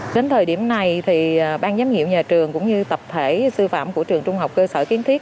đến thời điểm này thì ban giám hiệu nhà trường cũng như tập thể sư phạm của trường trung học cơ sở kiến thiết